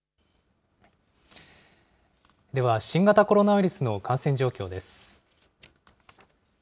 では、新型コロナウイルスの感染状況です。